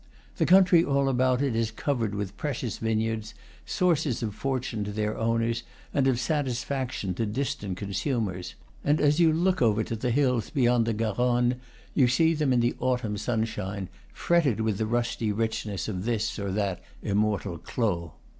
The country all about it is covered with precious vineyards, sources of fortune to their owners and of satisfaction to distant consumers; and as you look over to the hills beyond the Garonne you see them in the autumn sunshine, fretted with the rusty richness of this or that immortal clos.